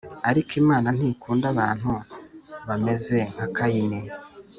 Ariko Imana ntikunda abantu bameze nka Kayini